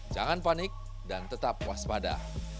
jangan panik dan tetap waspada